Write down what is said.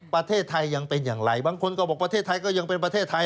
ประเทศไทยยังเป็นอย่างไรบางคนก็บอกประเทศไทยก็ยังเป็นประเทศไทย